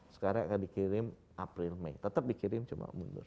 sekarang akan dikirim april mei tetap dikirim cuma mundur